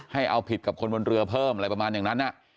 ให้เอาผิดกับคนบนเรือเพิ่มอะไรประมาณอย่างนั้น